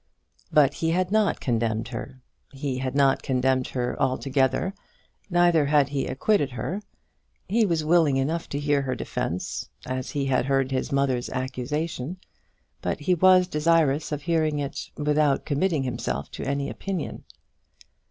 But he had not condemned her. He had not condemned her altogether, neither had he acquitted her. He was willing enough to hear her defence, as he had heard his mother's accusation; but he was desirous of hearing it without committing himself to any opinion.